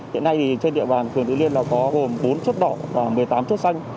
hiện nay thì trên địa bàn phường tứ liên là có gồm bốn chốt đỏ và một mươi tám chốt xanh